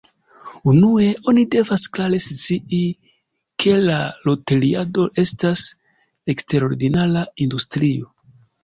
Unue, oni devas klare scii ke la loteriado estas eksterordinara industrio.